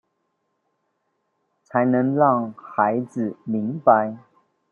才能讓孩子明白